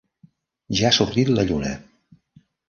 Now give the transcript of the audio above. Ja ha sortit la lluna.